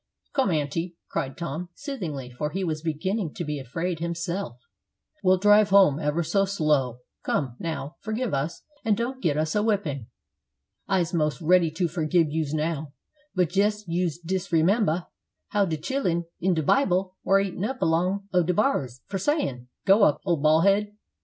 "Come, aunty," cried Tom, soothingly, for he was beginning to be afraid himself, "we'll drive home ever so slow. Come, now, forgive us, and don't get us a whipping." "I's mos' ready to forgib yous now; but jes you disremember how de chillun in de Bible war eaten up along o' de bars for sayin', 'Go up, ole bal' head!'